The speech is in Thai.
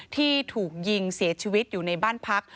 ที่ถูกยิงเสียชีวิตอยู่ในบ้านพัก